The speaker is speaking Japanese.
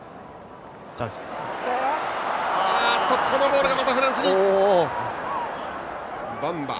ボールがまたフランスに。